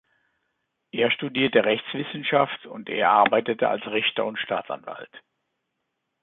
Er studierte Rechtswissenschaft und Er arbeitete als Richter und Staatsanwalt.